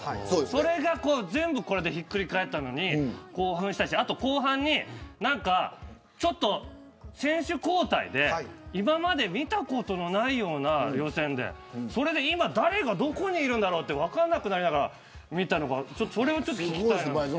それが全部ひっくり返ったのに興奮したしあと、後半に選手交代で今まで見たことのないようなそれで誰がどこにいるんだろうと分からなくなりながら見ていたのでそれを聞きたいです。